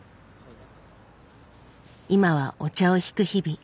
今はお茶をひく日々。